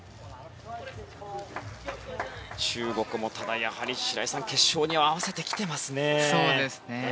中国もただ、やはり白井さん決勝に合わせてきていますね。